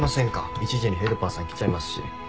１時にヘルパーさん来ちゃいますし。